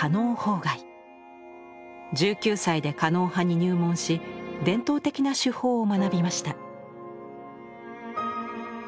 １９歳で狩野派に入門し伝統的な手法を学びました。